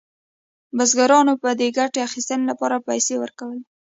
بزګرانو به د ګټې اخیستنې لپاره پیسې ورکولې.